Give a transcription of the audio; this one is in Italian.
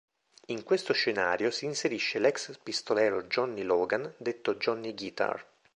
In questo scenario si inserisce l'ex pistolero Johnny Logan, detto "Johnny Guitar".